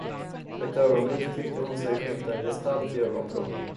För ett ögonblick tyckte hon sig skymta en gestalt i ögonvrån.